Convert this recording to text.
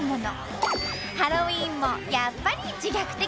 ハロウィーンもやっぱり自虐的！